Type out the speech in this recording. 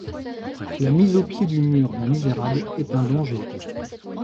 La mise au pied du mur d’un misérable est un danger.